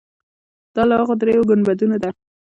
دا له هغو درېیو ګنبدونو ده.